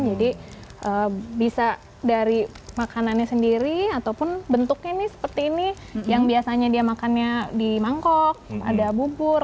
jadi bisa dari makanannya sendiri ataupun bentuknya nih seperti ini yang biasanya dia makannya di mangkok ada bubur